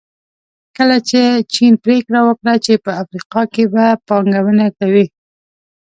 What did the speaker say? کله چې چین پریکړه وکړه چې په افریقا کې به پانګونه کوي.